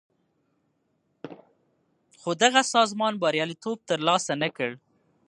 خو دغه سازمان بریالیتوب تر لاسه نه کړ.